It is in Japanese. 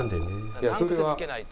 いやそれは。